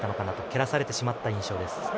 蹴らされてしまった印象です。